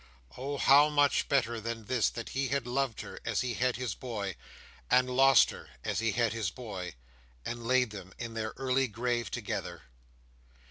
Oh, how much better than this that he had loved her as he had his boy, and lost her as he had his boy, and laid them in their early grave together!